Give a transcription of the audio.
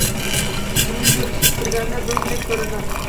Ishingiz yurishib turganida do‘stdek ko‘rinib